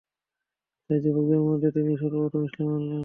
তাই যুবকদের মধ্যে তিনিই সর্ব প্রথম ঈমান আনলেন।